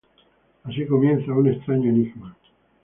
Así comienza un extraño enigma.